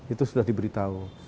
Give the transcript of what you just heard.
itu sudah diberitahu